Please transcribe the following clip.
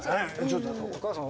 ちょっとお母さん。